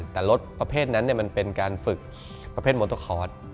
แต่รถประเภทนั้นมันเป็นการฝึกประเภทโมโตคอร์ส